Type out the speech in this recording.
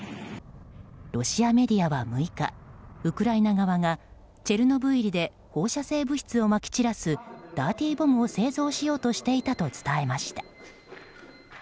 ロシアメディアは６日ウクライナ側がチェルノブイリで放射性物質をまき散らすダーティーボムを製造しようとしていたと伝えました。